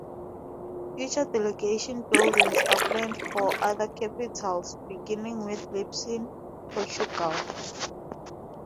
Future Delegation buildings are planned for other capitals, beginning with Lisbon, Portugal.